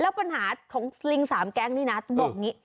แล้วปัญหาของลิงสามแก๊งนี่นะต้นบอก่มงิ